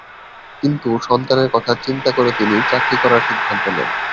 কিন্তু সন্তানের কথা চিন্তা করে তিনি চাকরি করার সিদ্ধান্ত নেন।